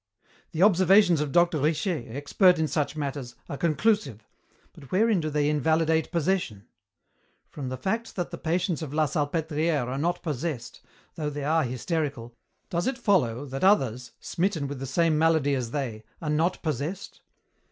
The observations of Dr. Richet, expert in such matters, are conclusive, but wherein do they invalidate possession? From the fact that the patients of La Salpêtrière are not possessed, though they are hysterical, does it follow that others, smitten with the same malady as they, are not possessed?